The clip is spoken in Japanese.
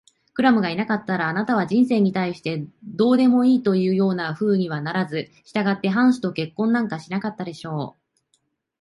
クラムがいなかったら、あなたは人生に対してどうでもいいというようなふうにはならず、したがってハンスと結婚なんかしなかったでしょう。